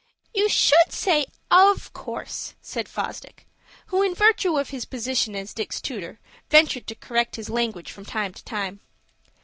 "You should say of course," said Fosdick, who, in virtue of his position as Dick's tutor, ventured to correct his language from time to time.